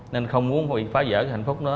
nên không muốn phá vỡ hạnh phúc đó